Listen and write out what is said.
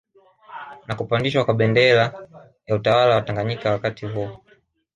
Na kupandishwa kwa Bendera bendera ya utawala wa Tanganyika wakati huo